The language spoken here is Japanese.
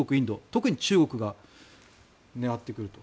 特に中国が狙ってくると。